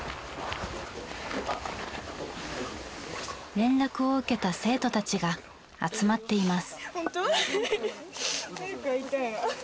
連絡を受けた生徒たちが集まっています。